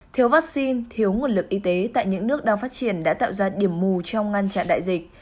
thiếu vaccine thiếu nguồn lực y tế tại những nước đang phát triển đã tạo ra điểm mù trong ngăn chặn đại dịch